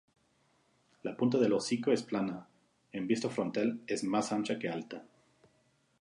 La punta del hocico es plana, en vista frontal es más ancha que alta.